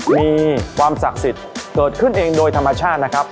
มีความศักดิ์สิทธิ์เกิดขึ้นเองโดยธรรมชาตินะครับ